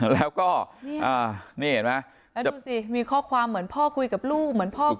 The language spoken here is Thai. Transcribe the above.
แล้วก็นี่เห็นมั้ยดูสิมีข้อความเหมือนพ่อกูคุยกับลูก